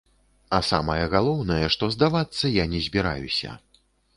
А самае галоўнае, што здавацца я не збіраюся.